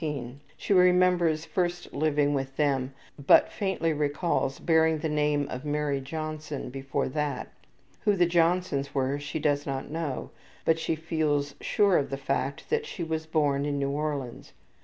She remembers first living with them, but faintly recalls bearing the name of Mary Johnson before that. Who the Johnsons were she does not know, but she feels sure of the fact that she was born in New Orleans.